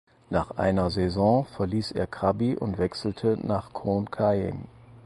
Nach einer Saison verließ er Krabi und wechselte nach Khon Kaen.